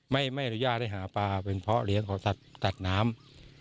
ไม่อนุญาตให้หาปลาเป็นเพราะเลี้ยงของสัตว์ตัดน้ำ